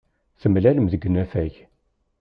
Temlalem deg unafag.